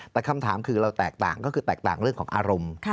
แต่คำถามคือเราแตกต่างก็คือแตกต่างเรื่องของอารมณ์